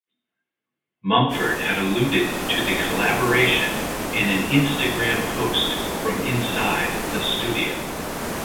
Mumford had alluded to the collaboration in an Instagram post from inside the studio.